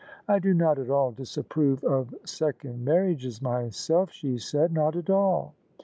" I do not at all disapprove of second marriages myself," she said ;*' not at all."